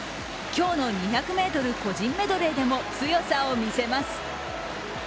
今日の２００ｍ個人メドレーでも強さをみせます。